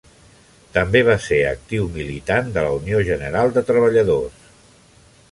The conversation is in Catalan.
També va ser actiu militant de la Unió General de Treballadors.